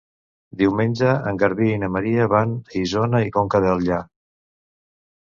Diumenge en Garbí i na Maria van a Isona i Conca Dellà.